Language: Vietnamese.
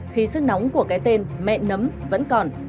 khi sức nóng của cái tên mẹ nấm vẫn còn